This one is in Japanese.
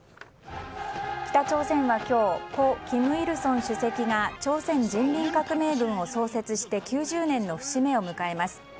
北朝鮮は今日故・金日成主席が朝鮮人民革命軍を創設して９０年の節目を迎えます。